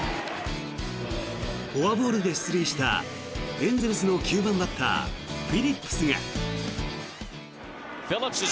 フォアボールで出塁したエンゼルスの９番バッターフィリップスが。